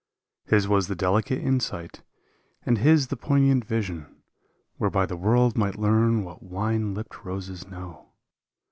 His was the delicate insight and his the poignant vi sion Whereby the world might learn what wine lipped roses know.